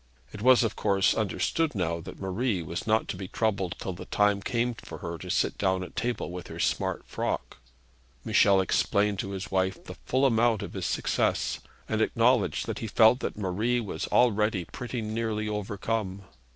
It was of course understood now that Marie was not to be troubled till the time came for her to sit down at table with her smart frock. Michel explained to his wife the full amount of his success, and acknowledged that he felt that Marie was already pretty nearly overcome.